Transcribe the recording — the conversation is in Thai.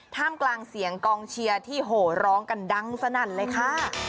ท่ามกลางเสียงกองเชียร์ที่โหร้องกันดังสนั่นเลยค่ะ